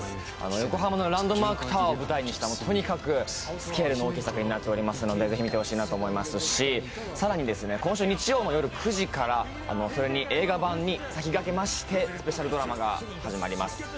横浜のランドマークタワーを舞台にしたとにかくスケールの大きいものになってますのでぜひ見てほしいなと思いますし、更に今週日曜の夜９時から映画版に先駆けまして、スペシャルドラマが始まります。